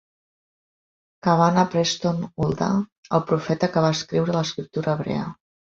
Kavanagh, Preston Huldah: el profeta que va escriure l'escriptura hebrea.